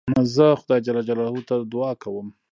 زه خدای جل جلاله ته دؤعا کوم.